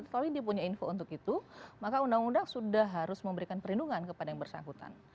tapi dia punya info untuk itu maka undang undang sudah harus memberikan perlindungan kepada yang bersangkutan